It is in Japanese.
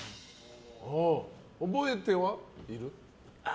覚えてはいる？